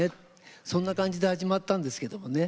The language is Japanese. そんな感じで始まったんですけれどもね。